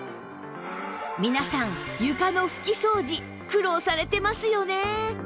皆さん床の拭き掃除苦労されてますよね